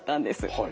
はい。